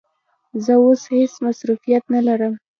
زه اوس هیڅ مصروفیت نه لرم.